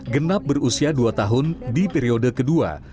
genap berusia dua tahun di periode kedua